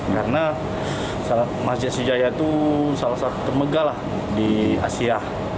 karena masjid sriwijaya itu salah satu temegah di asia